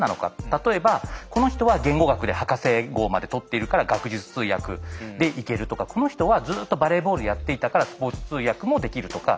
例えばこの人は言語学で博士号まで取っているから学術通訳でいけるとかこの人はずっとバレーボールやっていたからスポーツ通訳もできるとか。